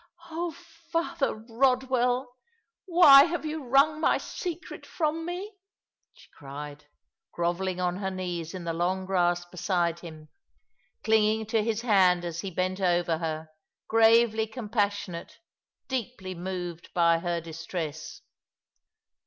Oh, Father Eodwell, why have you wrung my secret from me ?" she cried, grovelling on her knees in the long grass beside him, clinging to his hand as he bent over her, gravely compassionate, deeply moved by her distress.